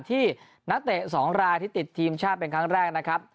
ที่นักเตะ๒รายที่ติดทีมชาติเป็นครั้งแรกนะครับ